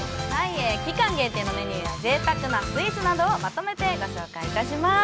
期間限定のメニューやぜいたくなスイーツなどをまとめてご紹介いたします。